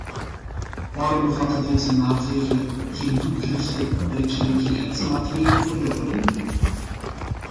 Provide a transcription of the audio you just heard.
Waarom bevatten deze maatregelen geen doelgerichte werkgelegenheidsmaatregelen voor jongeren?